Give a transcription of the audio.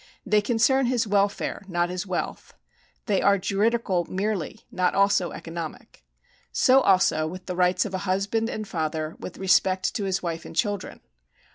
They concern his welfare, not his wealth ; they are juridical merely, not also economic. So also with the rights of a husband and father with respect to his wife and children.